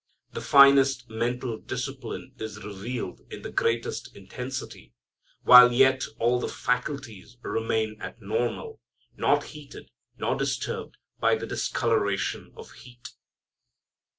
The finest mental discipline is revealed in the greatest intensity, while yet all the faculties remain at normal, not heated, nor disturbed by the discoloration of heat.